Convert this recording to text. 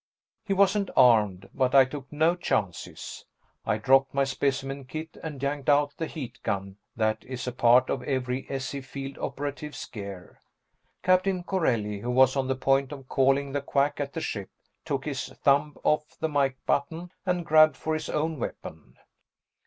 He wasn't armed, but I took no chances I dropped my specimen kit and yanked out the heat gun that is a part of every S.E. field operative's gear. Captain Corelli, who was on the point of calling the Quack at the ship, took his thumb off the mike button and grabbed for his own weapon.